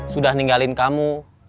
sudah ninggalin kamu